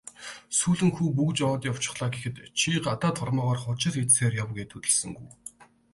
"Сүүлэн хүү бөгж аваад явчихлаа" гэхэд "Чи гадаад хормойгоор хужир идсэнээрээ яв" гээд хөдөлсөнгүй.